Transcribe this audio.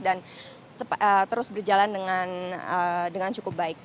dan terus berjalan dengan cukup baik